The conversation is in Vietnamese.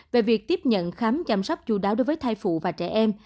về việc tiếp nhận khám chăm sóc chú đáo đối với thai phụ và trẻ em